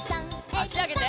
あしあげて。